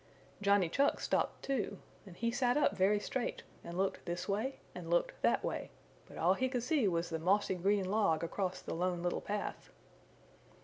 Johnny Chuck stopped too and he sat up very straight and looked this way and looked that way, but all he could see was the mossy green log across the Lone Little Path.